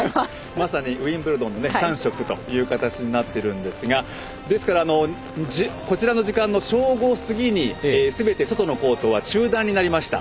まさにウィンブルドンの３色となっているんですがですからこちらの時間の正午過ぎにすべて、外のコートは中断になりました。